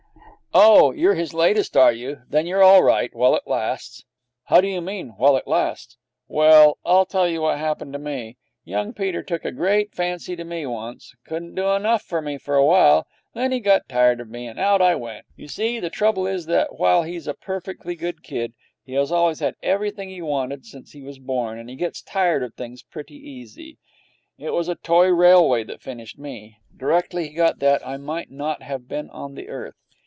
'Oh, you're his latest, are you? Then you're all right while it lasts.' 'How do you mean, while it lasts?' 'Well, I'll tell you what happened to me. Young Peter took a great fancy to me once. Couldn't do enough for me for a while. Then he got tired of me, and out I went. You see, the trouble is that while he's a perfectly good kid, he has always had everything he wanted since he was born, and he gets tired of things pretty easy. It was a toy railway that finished me. Directly he got that, I might not have been on the earth.